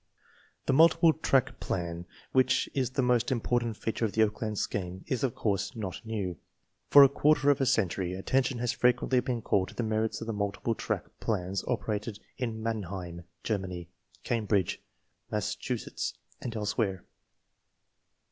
/The multiple track plan, which is the most impor tant feature of the Oakland scheme, is of course not new. For a quarter of a century attention has fre quently been called to the merits of the multiple track plans operated in Mannheim (Germany), Cambridge (Massachusetts), and elsewhere.